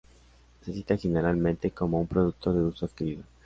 Se cita generalmente como un producto de gusto adquirido.